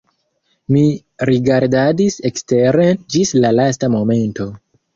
Mi rigardadis eksteren ĝis la lasta momento.